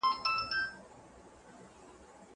علمي مجله په بیړه نه بشپړیږي.